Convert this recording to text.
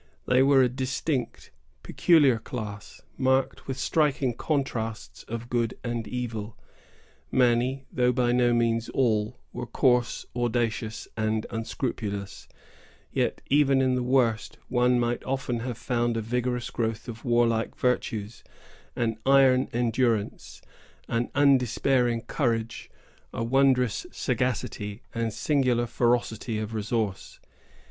They were a distinct, peculiar class, marked with striking contrasts of good and evil. Many, though by no means all, were coarse, audacious, and unscrupulous; yet, even in the worst, one might often have found a vigorous growth of warlike virtues, an iron endurance, an undespairing courage, a wondrous sagacity, and singular fertility of resource.